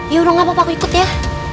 yaudah gapapa aku ikut ya